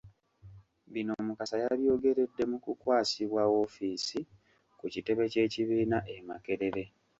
Bino Mukasa yabyogeredde mukukwasibwa woofiisi ku kitebe ky’ ekibiina e Makerere.